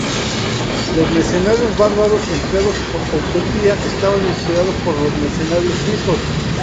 Los mercenarios bárbaros empleados por Utopía estaban inspirados en los mercenarios suizos.